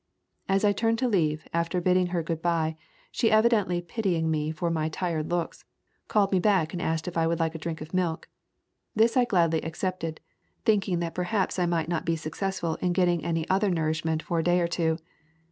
As I turned to leave, after bidding her good bye, she, evidently pitying me for my tired looks, called me back and asked me if I would like a drink of milk. This I gladly accepted, thinking that perhaps I might not be success ful in getting any other nourishment for a day or two.